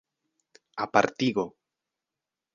apartigo